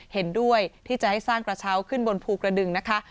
เห็นด้วยที่จะให้สร้างกระเช้าขึ้นบนภูกระดึงนะคะ